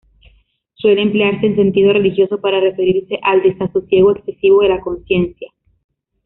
Suele emplearse en sentido religioso para referirse al desasosiego excesivo de la conciencia.